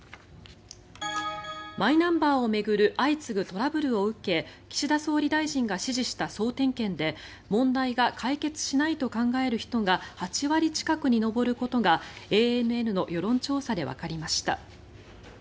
マイナンバーを巡る相次ぐトラブルを受け岸田総理大臣が指示した総点検で問題が解決しないと考える人が８割近くに上ることがＡＮＮの世論調査でわかりました。